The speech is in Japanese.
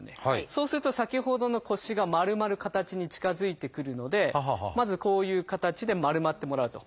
そうすると先ほどの腰が丸まる形に近づいてくるのでまずこういう形で丸まってもらうと。